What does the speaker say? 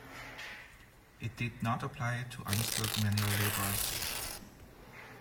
It did not apply to unskilled manual labourers.